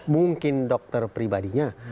mungkin dokter pribadinya